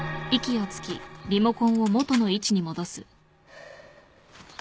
ハァ。